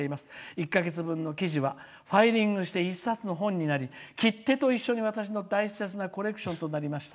１か月分の記事はファイリングして一冊の本になり切手と一緒に大切なコレクションになりました。